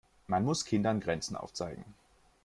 Man muss Kindern Grenzen aufzeigen.